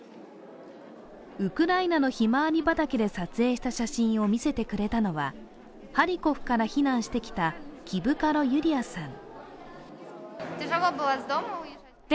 ウクライナのひまわり畑で撮影した写真を見せてくれたのはハリコフから非難してきたキブカロ・ユリアさん。